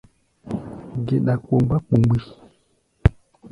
Geɗa kpomgbá kpomgbí.